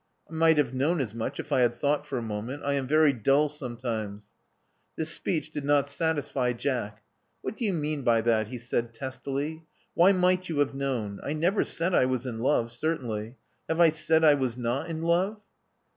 "I might have known as much if I had thought for a moment. I am very dull sometimes." This speech did not satisfy Jack. What do you mean by that?" he said testily. Why might you have known? I never said I was in love, certainly. Have I said I was not in love?"